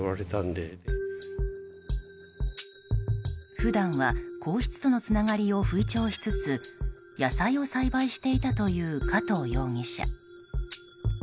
普段は皇室とのつながりを吹聴しつつ野菜を栽培していたという加藤容疑者。